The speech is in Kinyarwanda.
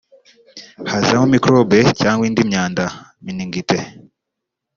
hazamo mikorobe cyangwa indi myanda (méningites)